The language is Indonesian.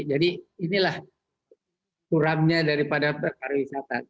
jadi inilah kurangnya daripada pariwisata